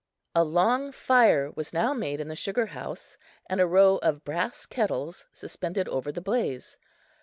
A long fire was now made in the sugar house, and a row of brass kettles suspended over the blaze.